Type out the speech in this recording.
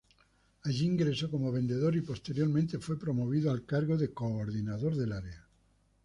Allí ingresó como vendedor y posteriormente fue promovido al cargo de coordinador del área.